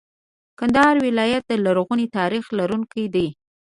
کندهار ولایت د لرغوني تاریخ لرونکی دی.